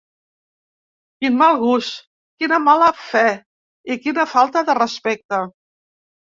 Quin mal gust, quina mala fe i quina falta de respecte.